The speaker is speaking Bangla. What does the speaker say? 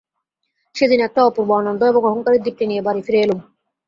সেদিন একটা অপূর্ব আনন্দ এবং অহংকারের দীপ্তি নিয়ে বাড়ি ফিরে এলুম।